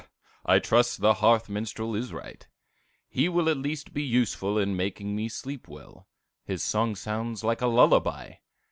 '" "I trust the hearth minstrel is right; he will at least be useful in making me sleep well; his song sounds like a lullaby!